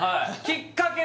きっかけ？